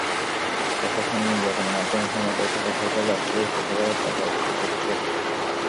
প্রহসনের নির্বাচনের মাধ্যমে ক্ষমতায় থাকা সরকার রাষ্ট্রীয় কোষাগারের টাকা অপচয় করছে।